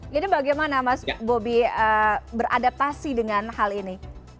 jadi bagaimana mas bobby beradaptasi dengan hal ini